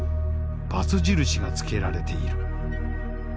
バツ印がつけられている。